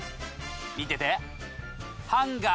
見てて！